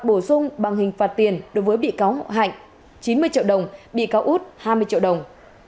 bổ sung bằng hình phạt tiền đối với bị cáo hậu hạnh chín mươi triệu đồng bị cáo út hai mươi triệu đồng